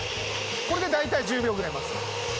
これで大体１０秒ぐらい待つ。